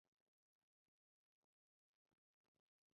waandishi na waigizaji wanategemeana katika kazi zao